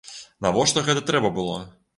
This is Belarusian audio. Навошта гэта трэба было?